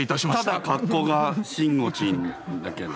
ただ格好がしんごちんだけど。